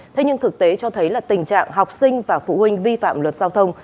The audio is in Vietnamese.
thế nhưng thực tế cho thấy là tình trạng học sinh và phụ huynh vi phạm luật giao thông